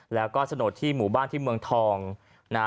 แล้วก็โฉนดที่หมู่บ้านที่เมืองทองนะ